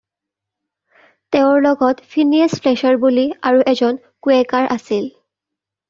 তেওঁৰ লগত ফিনিএচ ফ্লেচাৰ বুলি আৰু এজন কুয়েকাৰ আছিল।